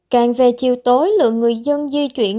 càng về chiều tối lượng người dân di chuyển